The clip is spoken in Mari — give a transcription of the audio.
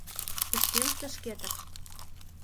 Пычкемыште шкетак